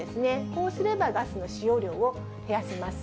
こうすればガスの使用量を減らせます。